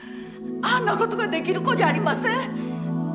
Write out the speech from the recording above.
あんな事ができる子じゃありません！